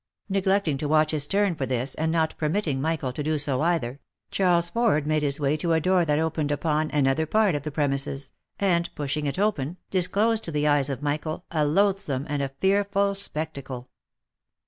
Neglecting to watch his turn for this, and not permitting Michael to do so either, Charles Ford made his way to a door that opened upon another part of the premises, and pushing it open, disclosed to the eyes of Michael a loathsome and a fearful spectacle.